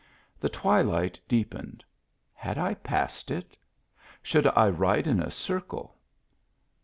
The twilight deepened. Had I passed it? Should I ride in a circle?